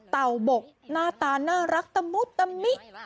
เต่าบกหน้าตาน่ารักตะมุตะมิ